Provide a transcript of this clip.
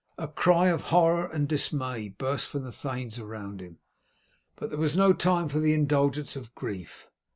A cry of horror and dismay burst from the thanes around him, but there was no time for the indulgence of grief.